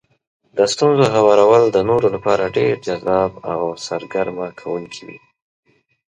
د ستونزو هوارول د نورو لپاره ډېر جذاب او سرګرمه کوونکي وي.